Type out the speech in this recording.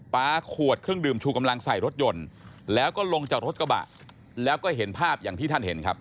ปลาขวดเครื่องดื่มชูกำลังใส่รถยนต์แล้วก็ลงจากรถกระบะแล้วก็เห็นภาพอย่างที่ท่านเห็นครับ